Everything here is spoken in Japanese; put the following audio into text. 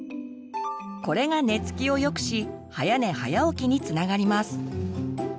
これが寝つきを良くし早寝早起きにつながります。